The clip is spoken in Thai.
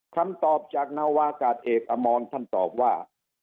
คำตอบจากนาวากาศเอกอมรท่านตอบว่า